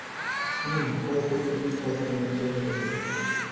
Nu, haideți să nu facem acest lucru.